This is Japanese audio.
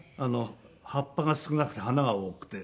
葉っぱが少なくて花が多くて。